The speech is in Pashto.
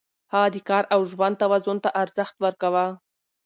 هغه د کار او ژوند توازن ته ارزښت ورکاوه.